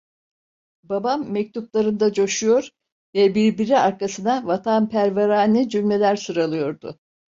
Babam, mektuplarında coşuyor ve birbiri arkasına vatanperverane cümleler sıralıyordu.